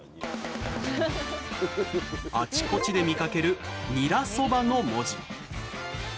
あちこちで見かける「にらそば」の文字。